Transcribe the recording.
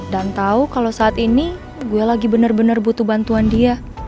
dan tahu kalau saat ini gue lagi bener bener butuh bantuan dia